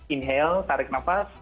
inhale tarik nafas